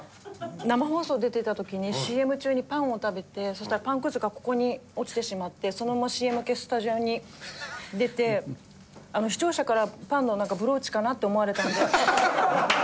生放送出てた時にＣＭ中にパンを食べてそしたらパンくずがここに落ちてしまってそのままＣＭ明けスタジオに出て視聴者からパンのブローチかな？って思われたので。